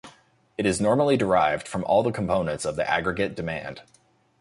It is normally derived from all the components of the aggregate demand.